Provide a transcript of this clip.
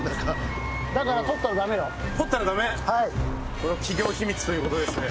これは企業秘密ということですね。